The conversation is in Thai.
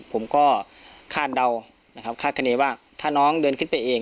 ผมก็คาดเดานะครับคาดคณีว่าถ้าน้องเดินขึ้นไปเอง